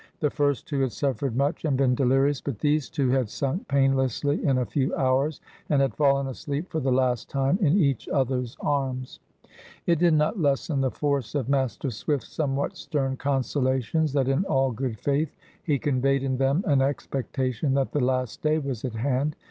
The first two had suffered much and been delirious, but these two had sunk painlessly in a few hours, and had fallen asleep for the last time in each other's arms. It did not lessen the force of Master Swift's somewhat stern consolations that in all good faith he conveyed in them an expectation that the Last Day was at hand.